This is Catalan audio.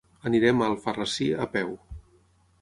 Anirem a Alfarrasí a peu.